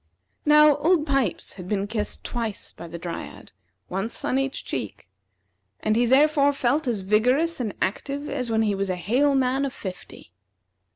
Now, Old Pipes had been kissed twice by the Dryad, once on each cheek, and he therefore felt as vigorous and active as when he was a hale man of fifty.